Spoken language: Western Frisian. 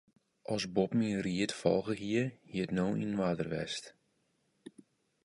As Bob myn ried folge hie, hie it no yn oarder west.